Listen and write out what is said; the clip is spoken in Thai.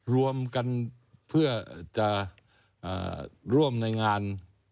รวมกันเพื่อจะร่วมในงาน